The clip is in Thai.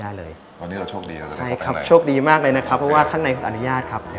เท่านั้นเลยเหรอพระราชโอรสที่ยังไม่ผ่านพระราชเชฟพิธีโสกัลกรณจุกพราหมณ์หรือว่าหมอหลวงแล้วก็เด็กที่อายุต่ำกว่า๑๐ขวบเท่านั้น